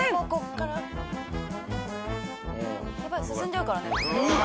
やばい進んじゃうからね。